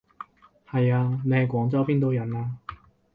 係啊，你係廣州邊度人啊？